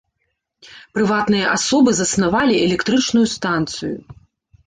Прыватныя асобы заснавалі электрычную станцыю.